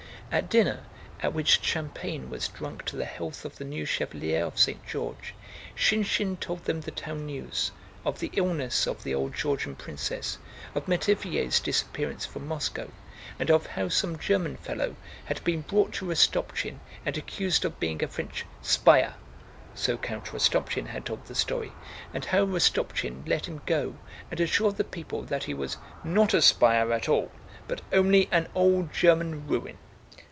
At dinner, at which champagne was drunk to the health of the new chevalier of St. George, Shinshín told them the town news, of the illness of the old Georgian princess, of Métivier's disappearance from Moscow, and of how some German fellow had been brought to Rostopchín and accused of being a French "spyer" (so Count Rostopchín had told the story), and how Rostopchín let him go and assured the people that he was "not a spire at all, but only an old German ruin."